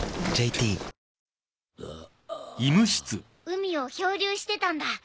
海を漂流してたんだ。